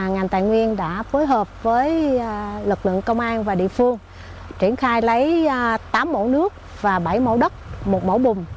ngành tài nguyên đã phối hợp với lực lượng công an và địa phương triển khai lấy tám mẫu nước và bảy mẫu đất một mẫu bùm